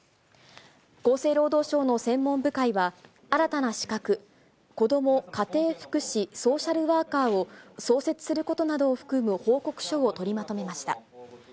厚生労働省の専門部会は、新たな資格、子ども家庭福祉ソーシャルワーカーを創設することなどを含む報告書を取りまとめました。